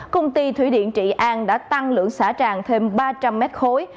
công ty thủy điện trị an đã tăng lượng xả tràn thêm ba trăm linh mét khối